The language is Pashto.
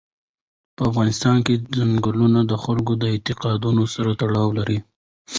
په افغانستان کې چنګلونه د خلکو د اعتقاداتو سره تړاو لري.